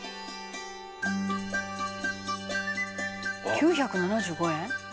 「９７５円？